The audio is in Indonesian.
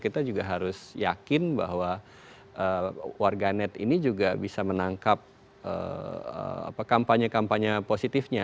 kita juga harus yakin bahwa warganet ini juga bisa menangkap kampanye kampanye positifnya